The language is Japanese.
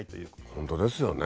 本当ですよね。